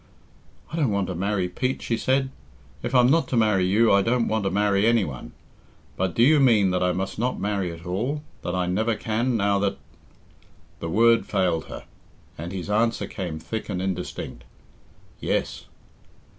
"I don't want to marry Pete," she said. "If I'm not to marry you, I don't want to marry any one. But do you mean that I must not marry at all that I never can now that " The word failed her, and his answer came thick and indistinct "Yes."